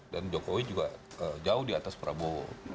dan jokowi juga jauh di atas prabowo